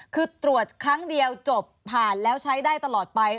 คือตรวจครั้งเดียวจบผ่านแล้วใช้ได้ตลอดไป